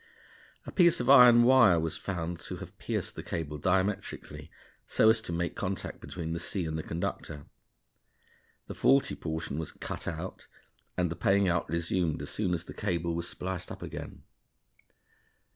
A piece of iron wire was found to have pierced the cable diametrically, so as to make contact between the sea and the conductor. The faulty portion was cut out, and the paying out resumed as soon as the cable was spliced up again.